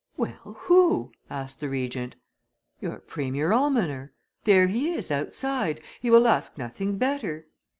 'Well! who?' asked the Regent. 'Your premier almoner; there he is, outside; he will ask nothing better.